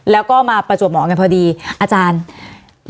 แล้วก็มาประจวบหมอกันพอดีอาจารย์เราต้องจบกันแล้ว